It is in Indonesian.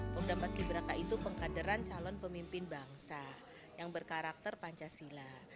pemuda paski beraka itu pengkaderan calon pemimpin bangsa yang berkarakter pancasila